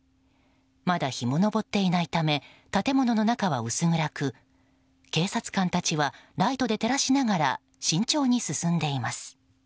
まだ日も昇っていないため建物の中は薄暗く警察官たちはライトで照らしながら慎重に進んでいます。